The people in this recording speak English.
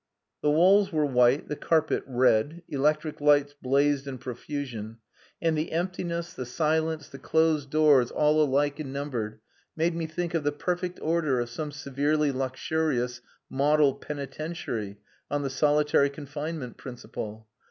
The walls were white, the carpet red, electric lights blazed in profusion, and the emptiness, the silence, the closed doors all alike and numbered, made me think of the perfect order of some severely luxurious model penitentiary on the solitary confinement principle.